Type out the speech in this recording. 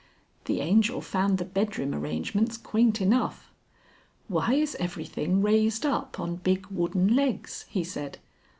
The Angel found the bedroom arrangements quaint enough. "Why is everything raised up on big wooden legs?" he said.